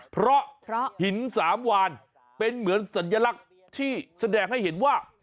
เพราะหินสามวานเป็นเหมือนสัญลักษณ์ที่แสดงให้เห็นว่า